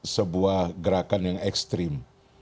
sebuah gerakan yang ekstrim